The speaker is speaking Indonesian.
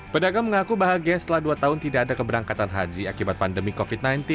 pedagang mengaku bahagia setelah dua tahun tidak ada keberangkatan haji akibat pandemi covid sembilan belas